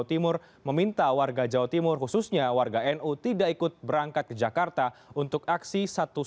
timur meminta warga jawa timur khususnya warga nu tidak ikut berangkat ke jakarta untuk aksi satu ratus dua belas